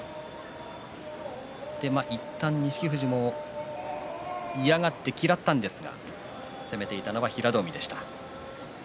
いったん錦富士も嫌がって嫌ったんですが攻めていたのは平戸海でした。